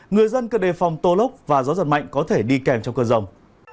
người dân cần đề phòng tô lốc và gió giật mạnh có thể đi kèm trong cơn rồng